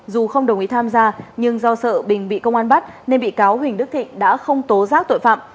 dù không đồng ý tham gia nhưng do sợ bình bị công an bắt nên bị cáo huỳnh đức thịnh đã không tố giác tội phạm